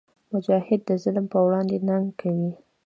مجاهد د ظالم پر وړاندې ننګ کوي.